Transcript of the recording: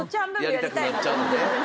やりたくなっちゃうのね。